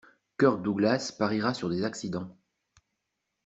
Kirk Douglas pariera sur des accidents.